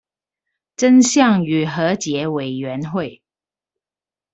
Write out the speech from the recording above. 真相與和解委員會